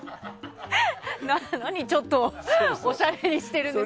何、ちょっとおしゃれにしてるんですか。